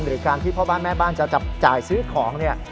หรือการที่พ่อบ้านแม่บ้านจะจับจ่ายซื้อของเนี่ย